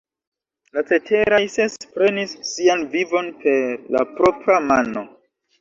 La ceteraj ses prenis sian vivon per la propra mano.